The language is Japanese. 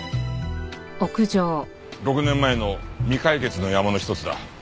６年前の未解決のヤマの一つだ。